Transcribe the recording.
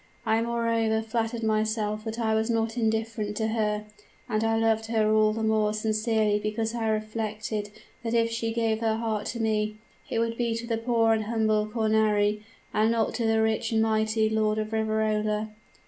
I moreover flattered myself that I was not indifferent to her; and I loved her all the more sincerely because I reflected that if she gave her heart to me, it would be to the poor and humble Cornari, and not to the rich and mighty Lord of Riverola.